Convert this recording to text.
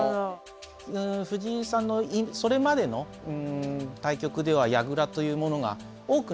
藤井さんのそれまでの対局では矢倉というものが多くなかったものですから。